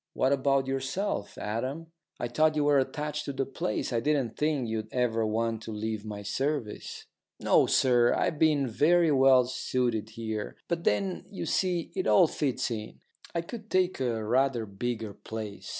"What about yourself, Adam? I thought you were attached to the place. I didn't think you'd ever want to leave my service." "No, sir, I've been very well suited here. But then, you see, it all fits in. I could take a rather bigger place.